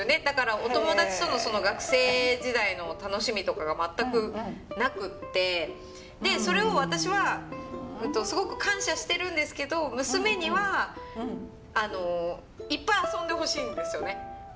だからお友達との学生時代の楽しみとかが全くなくってでそれを私はすごく感謝してるんですけど娘にはいっぱい遊んでほしいんですよね。